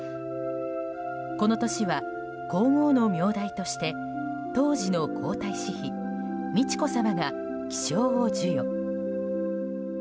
この年は皇后の名代として当時の皇太子妃美智子さまが記章を授与。